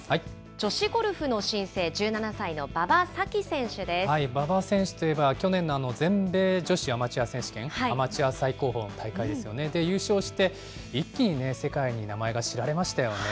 女子ゴルフの新星、馬場選手といえば、去年の全米女子アマチュア選手権、アマチュア最高峰の大会ですよね、で優勝して、一気に世界に名前が知られましたよね。